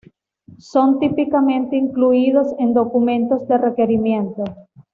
Son típicamente incluidos en documentos de requerimiento.